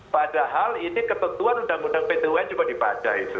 padahal ini ketentuan undang undang pt un juga dibaca itu